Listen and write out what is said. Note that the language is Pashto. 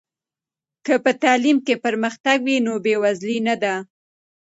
که په تعلیم کې پرمختګ وي، نو بې وزلي نه ده.